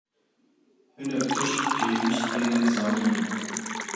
Hinek tişt pêwîst têne zanîn.